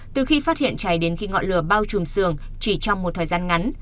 từ khi phát hiện cháy đến khi ngọn lửa bao trùm sườn chỉ trong một thời gian ngắn